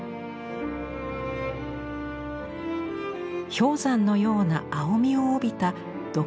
氷山のような青みを帯びた独特の白磁。